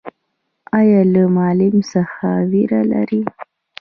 ایا له معلم څخه ویره نلري؟